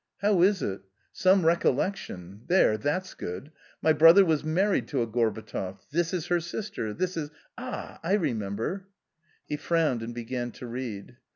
"How is it? — some recollection — there, that's good — my brother was_ married to a Gorbatov ; this is_htf.sistfav, thisj§==a"hl 1 rememberT' V Hefrowned and began to read.